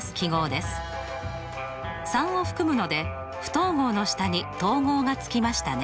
３を含むので不等号の下に等号がつきましたね。